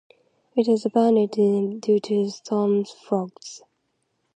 It was abandoned due to storm floods.